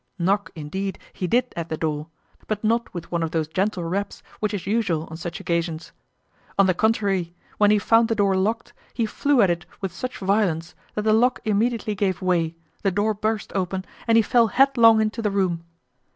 Knock, indeed, he did at the door, but not with one of those gentle raps which is usual on such occasions. On the contrary, when he found the door locked, he flew at it with such violence, that the lock immediately gave way, the door burst open, and he fell headlong into the room.